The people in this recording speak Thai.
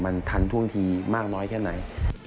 มันทันท่วงทีมากน้อยแค่ไหน